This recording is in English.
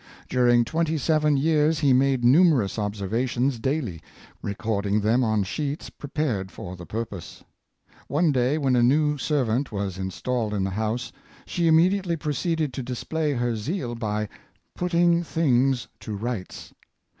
During twenty seven years he made numerous observa tions daily, recording them on sheets prepared for the purpose. One day, when a new servant was installed in the house, she immediately proceeded to display her zeal by " putting things to rights."